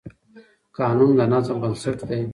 قانون د نظم بنسټ دی.